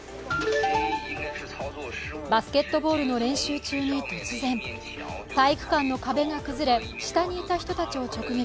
バスケットボールの練習中に突然体育館の壁が崩れ、下にいた人たちを直撃。